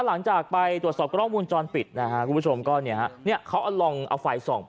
หลังจากไปตรวจสอบกล้องวงจรปิดนะฮะคุณผู้ชมก็เนี่ยฮะเนี่ยเขาเอาลองเอาไฟส่อง